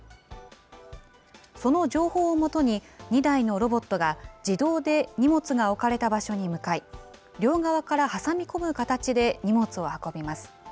その情報をもとに、２台のロボットが自動で荷物が置かれた場所に向かい、両側から挟み込む形で荷物を運びます。